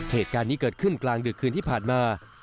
เหตุการณ์นี้เกิดขึ้นกลางดึกคืนที่ผ่านมา